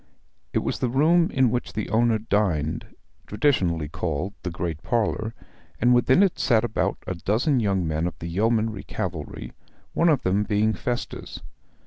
It was the room in which the owner dined traditionally called the great parlour and within it sat about a dozen young men of the yeomanry cavalry, one of them being Festus.